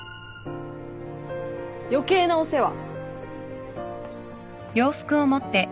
余計なお世話。